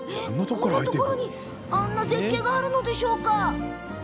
こんなところにあんな絶景があるんですか？